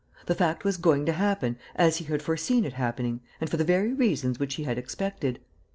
The fact was going to happen as he had foreseen it happening and for the very reasons which he had expected.